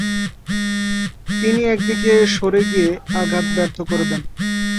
তিনি একদিকে সরে গিয়ে আঘাত ব্যর্থ করে দেন।